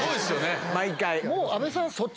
毎回。